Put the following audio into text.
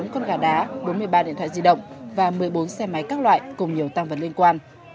bốn con gà đá bốn mươi ba điện thoại di động và một mươi bốn xe máy các loại cùng nhiều tăng vật liên quan